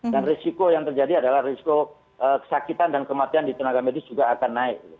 dan risiko yang terjadi adalah risiko kesakitan dan kematian di tenaga medis juga akan naik